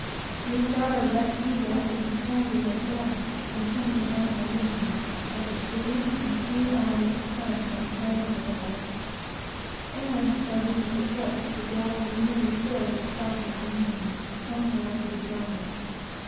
We brought our wet pea jackets and trowsers on deck, and hung them up in the rigging, that the breeze and the few hours of sun might dry them a little; and, by the permission of the cook, the galley was nearly filled with stockings and mittens, hung round to be dried.